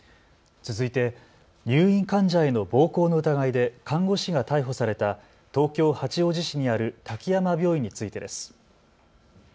続いて入院患者への暴行の疑いで看護師が逮捕された東京八王子市にある滝山病院についてです。